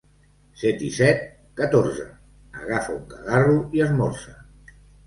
Set i set? —Catorze. —Agafa un cagarro i esmorza.